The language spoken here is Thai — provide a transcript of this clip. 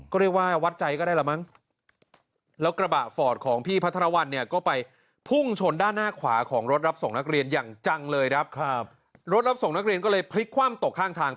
ก็เรียกว่าวัดใจก็ได้แหละมั้ง